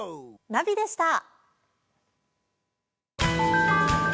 ナビでした！